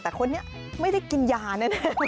แต่คนนี้ไม่ได้กินยาแน่